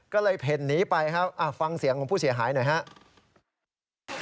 ก็เลยเพ่นหนีไปครับฟังเสียงของผู้เสียหายหน่อยครับ